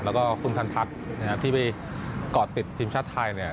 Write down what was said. แล้วก็คุณทันทักนะครับที่ไปเกาะติดบิดชาติไทยเนี่ย